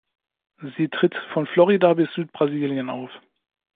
Sie tritt von Florida bis Südbrasilien auf.